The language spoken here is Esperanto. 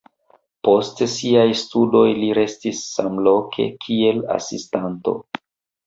Post siaj studoj li restis samloke kiel asistanto.